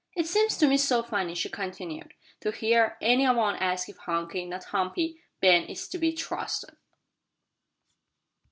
"It seems to me so funny," she continued, "to hear any one ask if Hunky not Humpy Ben is to be trusted."